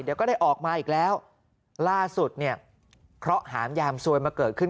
เดี๋ยวก็ได้ออกมาอีกแล้วล่าสุดเนี่ยเคราะห์หามยามซวยมาเกิดขึ้น